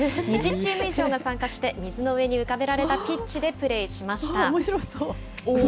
２０チーム以上が参加して、水の上に浮かべられたピッチでプレーおもしろそう。